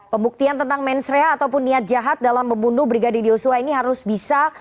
pembuktian tentang mensrea ataupun niat jahat dalam membunuh brigadir yosua ini harus bisa